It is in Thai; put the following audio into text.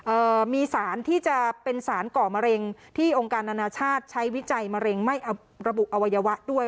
เอ่อมีสารที่จะเป็นสารก่อมะเร็งที่องค์การอนาชาติใช้วิจัยมะเร็งไม่เอาระบุอวัยวะด้วย